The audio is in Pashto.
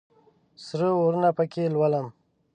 سره اورونه پکښې لولم